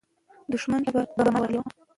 دښمن ته به ماته ورغلې وه.